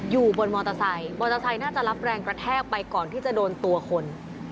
อยู่บนมอเตอร์ไซค์มอเตอร์ไซค์น่าจะรับแรงกระแทกไปก่อนที่จะโดนตัวคน